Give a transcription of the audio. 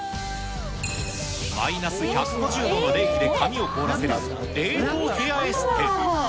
マイナス１５０度の冷気で髪を凍らせる、冷凍ヘアエステ。